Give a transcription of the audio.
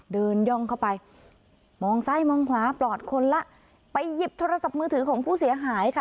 ย่องเข้าไปมองซ้ายมองขวาปลอดคนละไปหยิบโทรศัพท์มือถือของผู้เสียหายค่ะ